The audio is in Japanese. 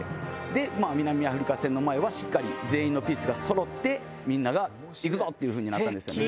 で南アフリカ戦の前はしっかり全員のピースがそろってみんなが行くぞ！っていうふうになったんですよね。